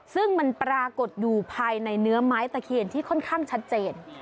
ซึ่งมันปรากฏอยู่ภายในเนื้อไม้ตะเคียนที่ค่อนข้างชัดเจน